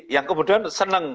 yang kemudian senang